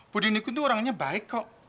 budi nuki tuh orangnya baik kok